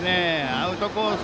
アウトコース